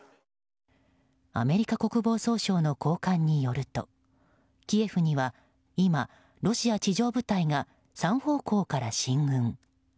アメリカ国防総省の高官によるとキエフには今、ロシア地上部隊が３方向から進軍。